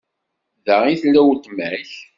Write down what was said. Da i tella uletma-k?